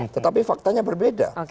tetapi faktanya berbeda